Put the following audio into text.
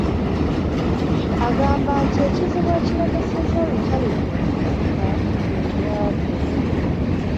Agamba nti ekizibu ekiremesezza olutalo luno okugguka bwe bwavu